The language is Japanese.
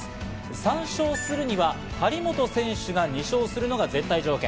３勝するには張本選手が２勝するのが絶対条件。